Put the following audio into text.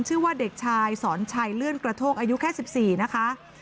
ชื่อว่าเด็กชายสอนชัยเลื่อนกระโทกอายุแค่๑๔นะคะ